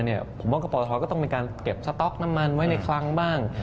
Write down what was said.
แต่ออมบว้างกับปอททก็ต้องเป็นการเก็บสต๊อกกินน้ำมันไว้ในครั้งบ้าง